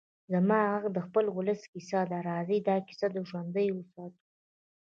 زما غږ د خپل ولس کيسه ده؛ راځئ دا کيسه ژوندۍ وساتو.